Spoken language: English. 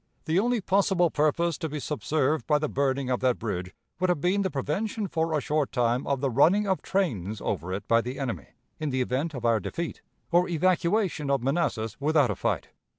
The only possible purpose to be subserved by the burning of that bridge would have been the prevention for a short time of the running of trains over it by the enemy, in the event of our defeat, or evacuation of Manassas without a fight.